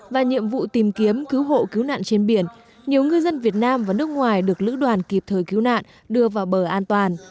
và nhiệm vụ tìm kiếm cứu hộ cứu nạn trên biển nhiều ngư dân việt nam và nước ngoài được lữ đoàn kịp thời cứu nạn đưa vào bờ an toàn